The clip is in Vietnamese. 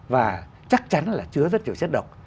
và chắc chắn là chứa rất nhiều chất độc